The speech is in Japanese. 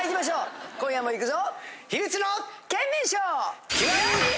今夜もいくぞ！